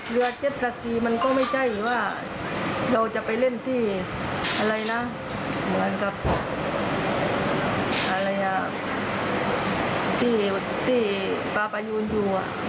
เจ็ดสกีมันก็ไม่ใช่ว่าเราจะไปเล่นที่อะไรนะเหมือนกับที่ปลาประยูนอยู่